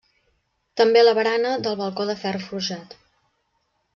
També la barana del balcó de ferro forjat.